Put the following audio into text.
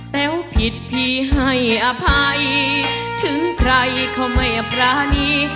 แต้วผิดพี่ให้อภัยถึงใครก็ไม่ปรานี